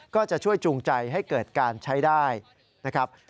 ก็จะช่วยจูงใจให้เกิดการใช้ได้นะครับ